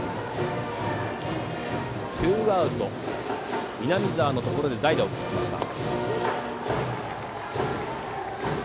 ツーアウト、南澤のところで代打を送ってきました。